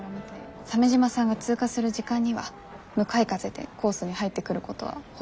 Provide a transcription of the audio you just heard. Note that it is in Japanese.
鮫島さんが通過する時間には向かい風でコースに入ってくることはほぼ確実です。